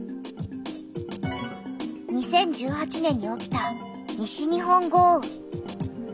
２０１８年に起きた西日本豪雨。